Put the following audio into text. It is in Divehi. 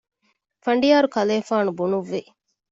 ފަނޑިޔާރު ކަލޭފާނު ބުނުއްވި